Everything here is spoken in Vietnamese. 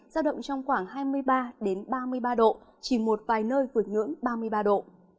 giao động trong khoảng hai mươi ba ba mươi ba độ chỉ một vài nơi vượt ngưỡng ba mươi ba độ